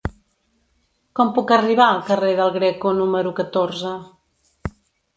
Com puc arribar al carrer del Greco número catorze?